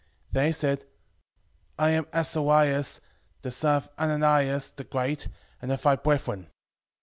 5:12 Then he said, I am Azarias, the son of Ananias the great, and of thy brethren.